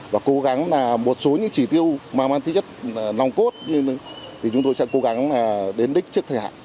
và cố gắng là một số những chỉ tiêu mà mang tính chất nồng cốt thì chúng tôi sẽ cố gắng đến đích trước thời hạn